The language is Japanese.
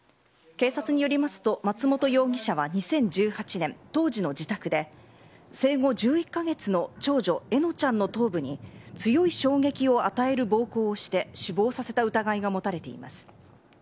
警察によりますと松本容疑者は２０１８年、当時の自宅で、生後１１か月の長女、えのちゃんの頭部に強い衝撃を与える暴行をして死亡させた疑いが持たれています。